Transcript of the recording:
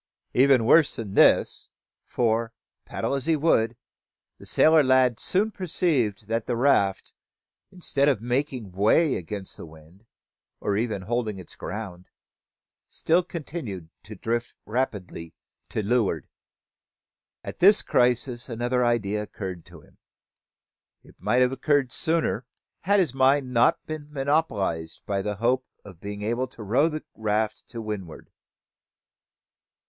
Even worse than this; for, paddle as he would, the sailor lad soon perceived that the raft, instead of making way against the wind, or even holding its ground, still continued to drift rapidly to leeward. At this crisis another idea occurred to him. It might have occurred sooner, had his mind not been monopolised with the hope of being able to row the raft to windward.